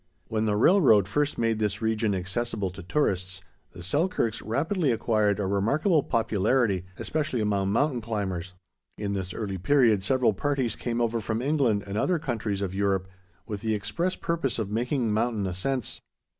When the railroad first made this region accessible to tourists, the Selkirks rapidly acquired a remarkable popularity, especially among mountain climbers. In this early period several parties came over from England and other countries of Europe with the express purpose of making mountain ascents.